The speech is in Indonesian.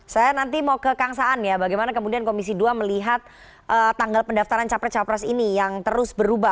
saya nanti mau ke kang saan ya bagaimana kemudian komisi dua melihat tanggal pendaftaran capres capres ini yang terus berubah